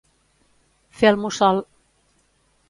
Fer el mussol.